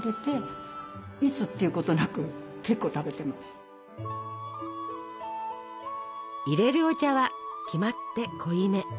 父親の所にはいれるお茶は決まって濃いめ。